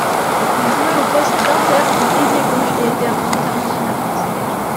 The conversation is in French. Il jouait au poste d'inter ou ailier gauche et était international français.